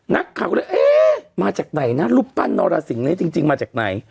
นักข่าวก็เลยเอ๊ะมาจากไหนนะรูปปั้นนรสิงหนี้จริงมาจากไหน